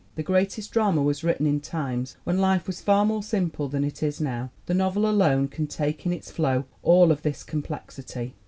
The greatest drama was written in times when life was far more simple than it is now. The novel alone can take in its flow all of this complexity."